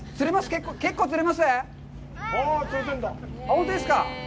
本当ですか。